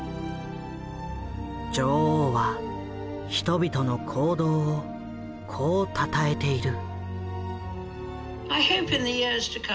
女王は人々の行動をこうたたえている。